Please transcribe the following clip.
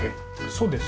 そうです。